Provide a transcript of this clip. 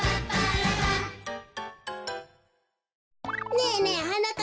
ねえねえはなかっ